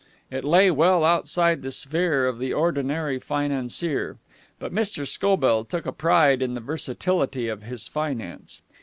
It lay well outside the sphere of the ordinary financier. But Mr. Scobell took a pride in the versatility of his finance.